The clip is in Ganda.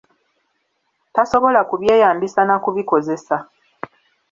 Tasobola kubyeyambisa na kubikozesa.